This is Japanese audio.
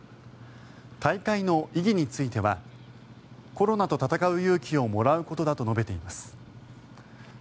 大会の意義についてはコロナと闘う勇気をもらうことだと述べています。